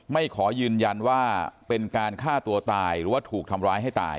ไม่ขอยืนยันว่าเป็นการฆ่าตัวตายหรือว่าถูกทำร้ายให้ตาย